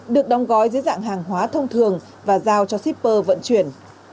được đóng gói dưới dạng hàng hóa thông thường và giao cho shipper vận chuyển